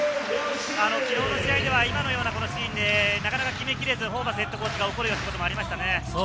昨日の試合では今のようなシーンで、なかなか決めきれず、ホーバスＨＣが怒る様子もありましたよね。